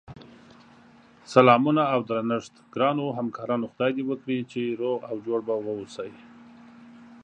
سلامونه اودرنښت ګراونوهمکارانو خدای دی وکړی چی روغ اوجوړبه اووسی